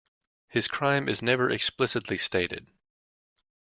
His crime is never explicitly stated.